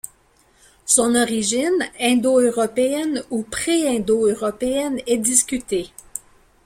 Son origine, indo-européenne ou pré-indo-européenne, est discutée.